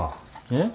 えっ？